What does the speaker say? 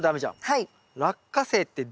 はい。